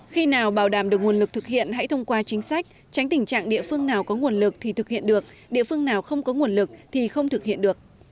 khi nào bảo đảm được nguồn lực thực hiện hãy thông qua chính sách tránh tình trạng địa phương nào có nguồn lực thì thực hiện được địa phương nào không có nguồn lực thì không thực hiện được